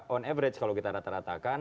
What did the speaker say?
on average kalau kita rata ratakan